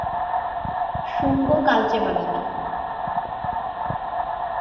শুঙ্গ কালচে বাদামি।